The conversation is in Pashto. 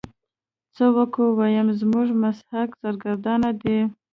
څه وکو ويم زموږ مسلک سرګردانه دی.